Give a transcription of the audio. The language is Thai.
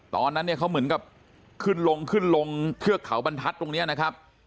ตอนนั้นเขามึนกับขึ้นลงทั่วเฉาบรันทัศน์ตรงเนี่ยนะครับ